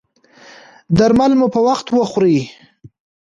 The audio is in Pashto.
درمل مو په وخت خورئ؟